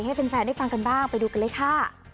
ให้แฟนได้ฟังกันบ้างไปดูกันเลยค่ะ